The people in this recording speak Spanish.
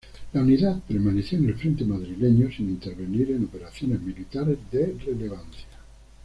La unidad permaneció en el frente madrileño, sin intervenir en operaciones militares de relevancia.